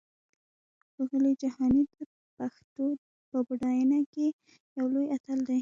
ښاغلی جهاني د پښتو په پډاینه کې یو لوی اتل دی!